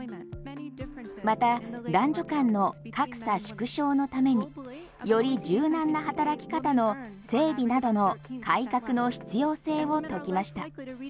また男女間の格差縮小のためにより柔軟な働き方の整備などの改革の必要性を説きました。